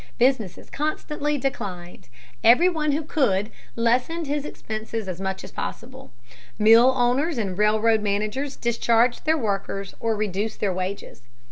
Business constantly declined. Every one who could lessened his expenses as much as possible. Mill owners and railroad managers discharged their workers or reduced their wages.